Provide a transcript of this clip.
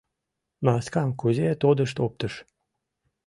Маскам кузе тодышт оптыш.